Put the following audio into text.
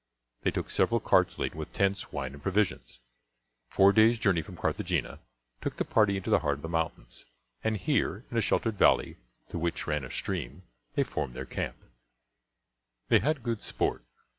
They took several carts laden with tents, wine, and provisions. Four days' journey from Carthagena took the party into the heart of the mountains, and here, in a sheltered valley through which ran a stream, they formed their camp. They had good sport.